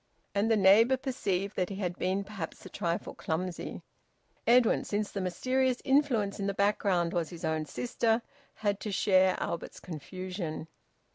And the neighbour perceived that he had been perhaps a trifle clumsy. Edwin, since the mysterious influence in the background was his own sister, had to share Albert's confusion.